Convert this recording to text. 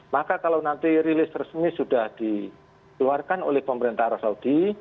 maka kalau nanti rilis resmi sudah dikeluarkan oleh pemerintah arab saudi